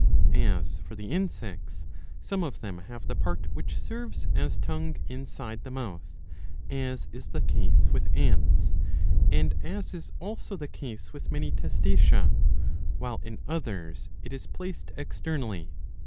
As for the Insects, some of them have the part which serves as tongue inside the mouth, as is the case with ants, and as is also the case with many Testacea, while in others it is placed externally.